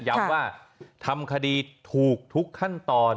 ว่าทำคดีถูกทุกขั้นตอน